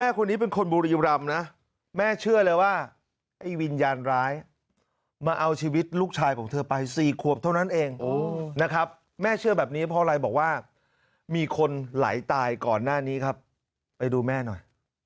คนนี้เป็นคนบุรีรำนะแม่เชื่อเลยว่าไอ้วิญญาณร้ายมาเอาชีวิตลูกชายของเธอไป๔ขวบเท่านั้นเองนะครับแม่เชื่อแบบนี้เพราะอะไรบอกว่ามีคนไหลตายก่อนหน้านี้ครับไปดูแม่หน่อย